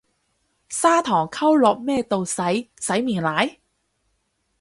砂糖溝落咩度洗，洗面奶？